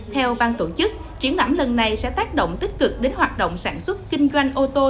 theo bang tổ chức triển lãm lần này sẽ tác động tích cực đến hoạt động sản xuất kinh doanh ô tô